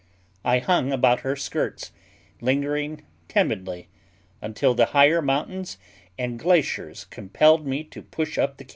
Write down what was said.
I hung about her skirts, lingering timidly, until the higher mountains and glaciers compelled me to push up the cañon.